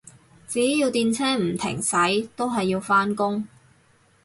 只要電車唔停駛，都係要返工